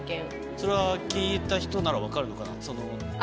それは聴いた人なら分かるのかな、その。